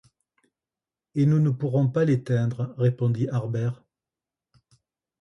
Et nous ne pourrons pas l’éteindre! répondit Harbert.